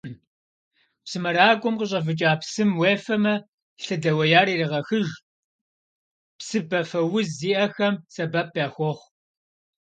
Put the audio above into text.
Псымэракӏуэм къыщӏэвыкӏа псым уефэмэ, лъы дэуеяр ирегъэхыж, псыбафэуз зиӏэхэми сэбэп яхуохъу.